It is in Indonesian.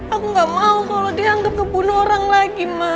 aku gak mau kalau dia anggap kebunuh orang lagi ma